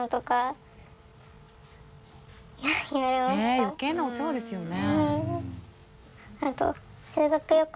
何かえ余計なお世話ですよね。